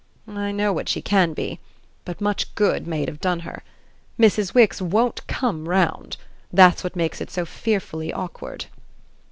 "I know what she CAN be. But much good may it have done her! Mrs. Wix won't COME 'round.' That's what makes it so fearfully awkward."